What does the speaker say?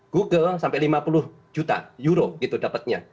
google sampai lima puluh juta euro gitu dapatnya